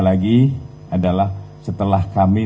lagi adalah setelah kami